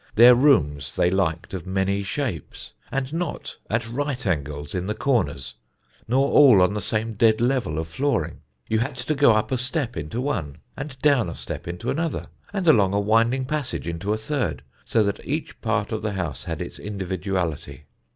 Their rooms they liked of many shapes, and not at right angles in the corners, nor all on the same dead level of flooring. You had to go up a step into one, and down a step into another, and along a winding passage into a third, so that each part of the house had its individuality.